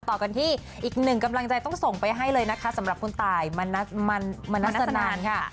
ต่อกันที่อีกหนึ่งกำลังใจต้องส่งไปให้เลยนะคะสำหรับคุณตายมณัสนานค่ะ